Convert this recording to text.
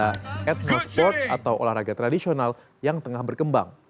panahan berkuda adalah olahraga etnosport atau olahraga tradisional yang tengah berkembang